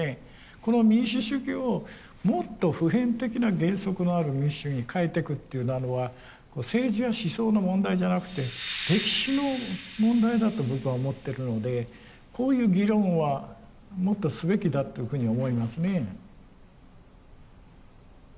この民主主義をもっと普遍的な原則のある民主主義に変えていくっていうなのは政治や思想の問題じゃなくて歴史の問題だと僕は思ってるのでこういう議論はもっとすべきだっていうふうに思いますね。